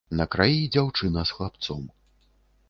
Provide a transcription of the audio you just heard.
На краі дзяўчына з хлапцом.